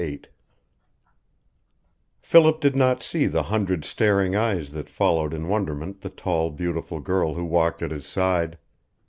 VIII Philip did not see the hundred staring eyes that followed in wonderment the tall, beautiful girl who walked at his side.